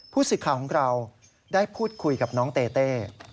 สิทธิ์ข่าวของเราได้พูดคุยกับน้องเต้เต้